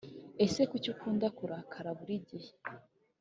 Ase kuki ukunda kurakara buri gihe